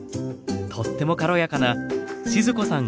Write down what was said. とっても軽やかな静子さん